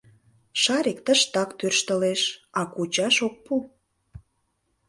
Шарик тыштак тӧрштылеш, а кучаш ок пу.